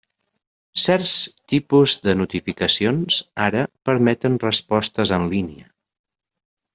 Certs tipus de notificacions ara permeten respostes en línia.